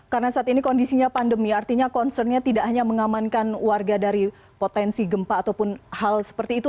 karena saat ini kondisinya pandemi artinya concernnya tidak hanya mengamankan warga dari potensi gempa ataupun hal seperti itu